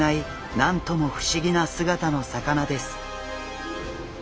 なんとも不思議な姿の魚です。